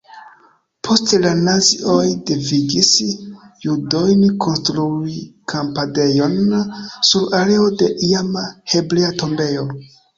Poste la nazioj devigis judojn konstrui kampadejon sur areo de iama hebrea tombejo.